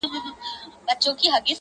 ملا صاحب دې گرځي بې ايمانه سرگردانه!